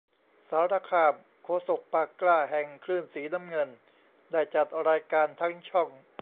สารคาม โฆษกปากกล้าแห่งคลื่นสีน้ำเงิน ได้จัดรายการทั้งช่อง